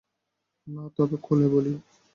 না, তবে খুলে বলি।